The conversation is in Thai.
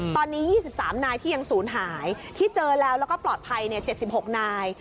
ตอนนี้๒๓นายที่ยังศูนย์หายที่เจอแล้วแล้วก็ปลอดภัย๗๖นาย